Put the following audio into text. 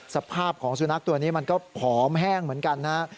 สภาพของสุนัขตัวนี้มันก็ผอมแห้งเหมือนกันนะฮะ